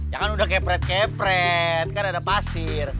ya kan udah kepret kepret kan ada pasir